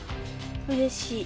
うれしい。